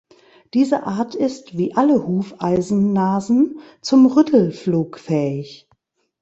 Diese Art ist, wie alle Hufeisennasen zum Rüttelflug fähig.